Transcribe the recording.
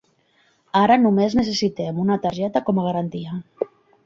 Ara només necessitem una targeta com a garantia.